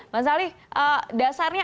bang sali dasarnya